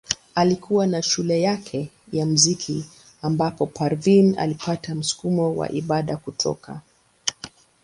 Alikuwa na shule yake ya muziki ambapo Parveen alipata msukumo wa ibada kutoka.